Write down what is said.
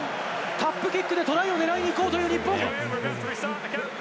タップキックでトライを狙いにいこうという日本。